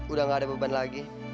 udah gak ada beban lagi